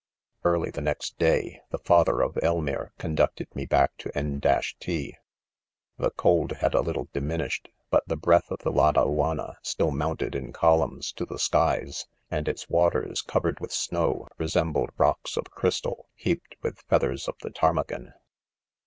' Early the next day, the father of Elmire conducted me back to 'N '——t. The cold had a little diminished;' but the breath of the Ladaiianna still mounted in columns to the skies, and its waters, covered with snow, re sembled rocks of crystal, heaped with feath ers .of the ptarmigan.